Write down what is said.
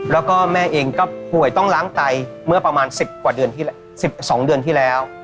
แล้วก็แม่เองก็ป่วยต้องล้างไตเมื่อประมาณ๑๐กว่า๑๒เดือนที่แล้ว